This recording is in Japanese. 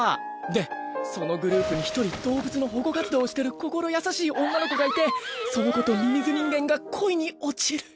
でそのグループに一人動物の保護活動をしてる心優しい女の子がいてその子とミミズ人間が恋に落ちる。